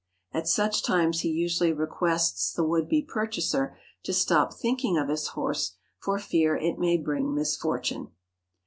At such times he usually requests the would be purchaser to stop think ing of his horse for fear it may bring misfortune.